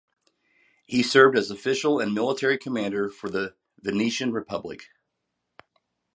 He served as official and military commander for the Venetian Republic.